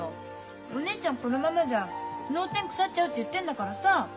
お姉ちゃんこのままじゃ脳天腐っちゃうって言ってんだからさ。